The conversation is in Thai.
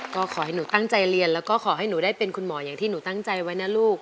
ก็ขอให้หนูตั้งใจเรียนแล้วก็ขอให้หนูได้เป็นคุณหมออย่างที่หนูตั้งใจไว้นะลูก